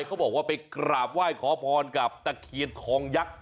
เขาบอกว่าไปกราบไหว้ขอพรกับตะเคียนทองยักษ์